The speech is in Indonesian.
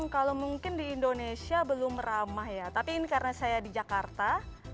kalau mungkin di indonesia belum ramah ya tapi ini karena saya di jakarta